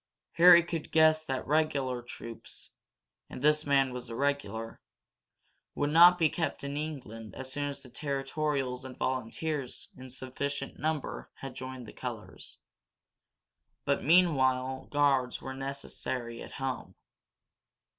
Harry could guess that regular troops and this man was a regular would not be kept in England as soon as the territorials and volunteers in sufficient number had joined the colors. But meanwhile guards were necessary at home.